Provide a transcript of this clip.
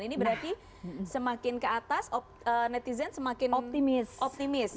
ini berarti semakin ke atas netizen semakin optimis akan tuntas begitu ya